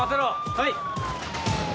はい！